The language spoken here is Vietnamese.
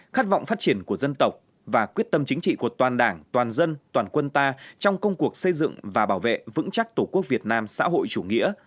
khát vọng phát triển của dân tộc và quyết tâm chính trị của toàn đảng toàn dân toàn quân ta trong công cuộc xây dựng và bảo vệ vững chắc tổ quốc việt nam xã hội chủ nghĩa